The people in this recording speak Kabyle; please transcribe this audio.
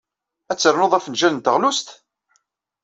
Ad ternud afenjal n teɣlust?